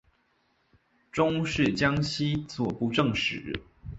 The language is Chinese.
终仕江西左布政使。